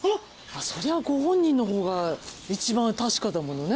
そりゃあご本人の方が一番確かだものね。